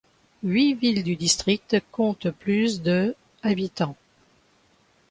Huit villes du district comptent plus de habitants.